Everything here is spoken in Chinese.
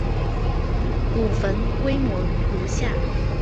古坟规模如下。